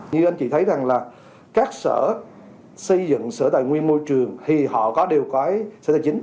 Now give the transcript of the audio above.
như anh chị thấy rằng là các sở xây dựng sở tài nguyên môi trường thì họ có đều có sở tài chính